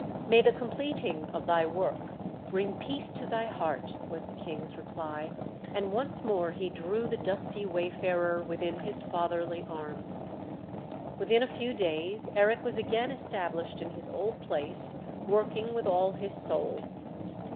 "May the completing of thy work bring peace to thy heart!" was the King's reply; and once more he drew the dusty wayfarer within his fatherly arms. Within a few days Eric was again established in his old place, working with all his soul.